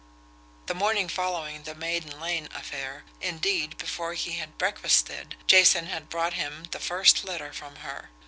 The morning following the Maiden Lane affair, indeed, before he had breakfasted, Jason had brought him the first letter from her.